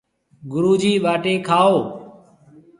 گُرو جِي ٻاٽِي کائون۔